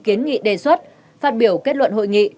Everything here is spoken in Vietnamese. kiến nghị đề xuất phát biểu kết luận hội nghị